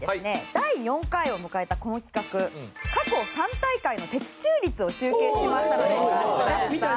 第４回を迎えたこの企画過去３大会の的中率を集計しましたのでご覧ください。